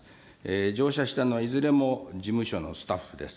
乗車したのはいずれも事務所のスタッフです。